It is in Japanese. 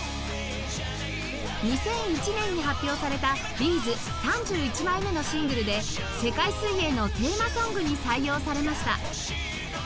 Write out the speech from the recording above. ２００１年に発表された Ｂ’ｚ３１ 枚目のシングルで世界水泳のテーマソングに採用されました